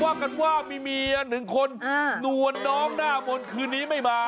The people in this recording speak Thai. ว่ากันว่ามีเมียหนึ่งคนนวลน้องหน้ามนต์คืนนี้ไม่มา